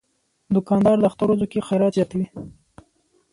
دوکاندار د اختر ورځو کې خیرات زیاتوي.